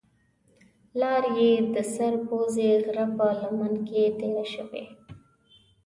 لار یې د سر پوزې غره په لمن کې تېره شوې.